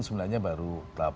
sebenarnya baru delapan